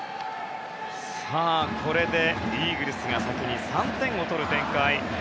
これでイーグルスが先に３点を取る展開。